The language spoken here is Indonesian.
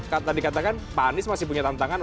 karena dikatakan pak andis masih punya tantangan